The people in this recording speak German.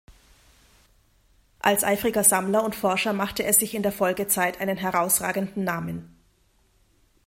Als eifriger Sammler und Forscher machte er sich in der Folgezeit einen herausragenden Namen.